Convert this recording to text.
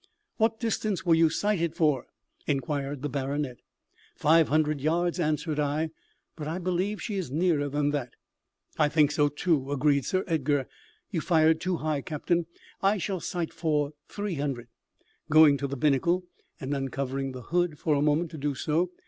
"What distance were you sighted for?" inquired the baronet. "Five hundred yards," answered I; "but I believe she is nearer than that." "I think so, too," agreed Sir Edgar. "You fired too high, captain. I shall sight for three hundred," going to the binnacle, and uncovering the hood for a moment to do so.